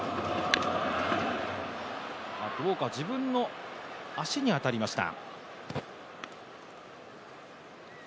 ウォーカー自分の足に当たりました。